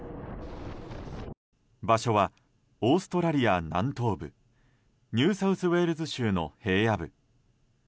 場所はオーストラリア南東部ニューサウスウェールズ州の平野部。